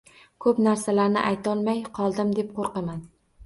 Koʻp narsalarni aytolmay qoldim deb qoʻrqaman